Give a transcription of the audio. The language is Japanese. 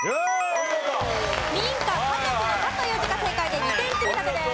民家家族の「家」という字が正解で２点積み立てです。